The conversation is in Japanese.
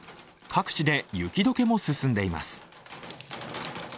各地で雪解けも進んでいます。